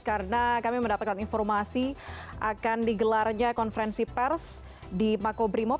karena kami mendapatkan informasi akan digelarnya konferensi pers di makobrimob